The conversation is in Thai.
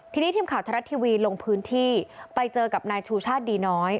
ทีนี้ทีมข่าวทรัฐทีวีลงพื้นที่ไปเจอกับนายชูชาติดีน้อย